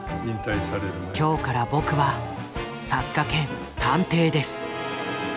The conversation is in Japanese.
今日から僕は作家兼探偵です」。